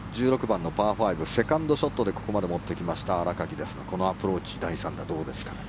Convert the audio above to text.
１６番のパー５セカンドショットでここまで持ってきました新垣ですがこのアプローチ、第３打どうですか？